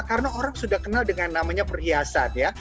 karena orang sudah kenal dengan namanya perhiasan ya